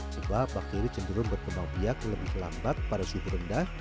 sebab bakteri cenderung berkembang biak lebih lambat pada suhu rendah